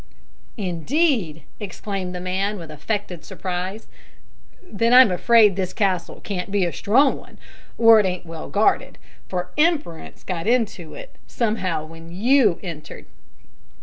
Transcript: "Indeed!" exclaimed the man, with affected surprise, "then I'm afraid this castle can't be a strong one, or it ain't well guarded, for `Imperence' got into it somehow when you entered."